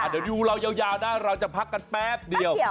เดี๋ยวดูเรายาวนะเราจะพักกันแป๊บเดียว